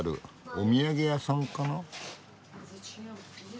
お土産屋さんかな。